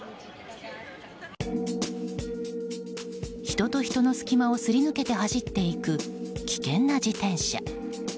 人と人の隙間をすり抜けて走っていく、危険な自転車。